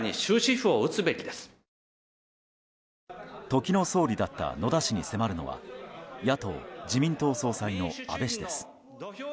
時の総理だった野田氏に迫るのは野党自民党総裁の安倍氏です。